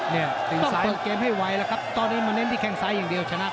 ตั้งปล่อยเกมให้ไวล่ะครับตอนนี้มันเละที่แค่ซ้ายอย่างเดียวชนะเพชร